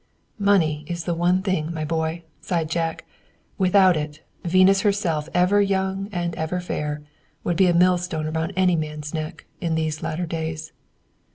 "Money is the one thing, my boy," sighed Jack. "Without it, Venus herself, ever young and ever fair, would be a millstone around any man's neck, in these later days.